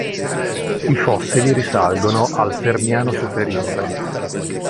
I fossili risalgono al Permiano superiore.